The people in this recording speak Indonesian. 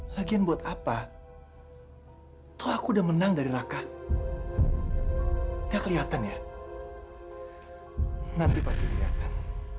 lagian buat apa tuh aku udah menang dari raka gak kelihatan ya nanti pasti kelihatan